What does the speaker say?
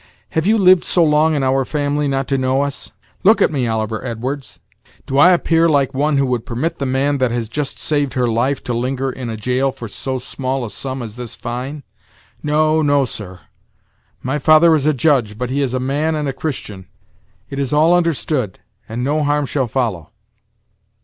Have you lived so long in our family not to know us? Look at me, Oliver Edwards. Do I appear like one who would permit the man that has just saved her life to linger in a jail for so small a sum as this fine? No, no, sir; my father is a judge, but he is a man and a Christian. It is all under stood, and no harm shall follow."